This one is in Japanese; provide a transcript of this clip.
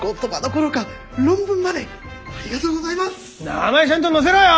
名前ちゃんと載せろよ！